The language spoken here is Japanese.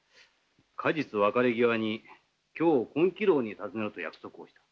過日別れ際に今日金亀楼に訪ねると約束をした。